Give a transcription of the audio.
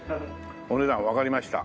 お値段わかりました。